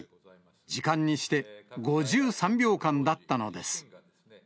時間にして５３秒間だったのです。